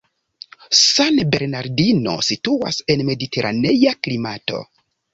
San Bernardino situas en mediteranea klimato.